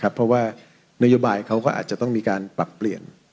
เพราะว่านโยบายเขาก็อาจจะต้องมีการปรับเปลี่ยน